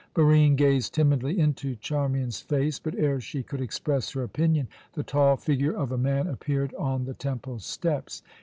Barine gazed timidly into Charmian's face; but, ere she could express her opinion, the tall figure of a man appeared on the temple steps.